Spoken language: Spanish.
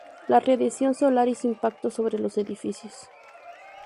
La radiación solar y su impacto sobre los edificios.